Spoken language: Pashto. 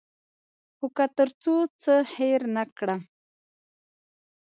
هو، که تر څو څه هیر نه کړم